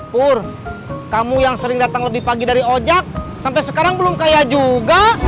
pur kamu yang sering datang lebih pagi dari ojek sampai sekarang belum kaya juga